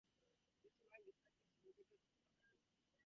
This line, designed to stimulate suburban growth, had a chequered career.